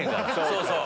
そうそう！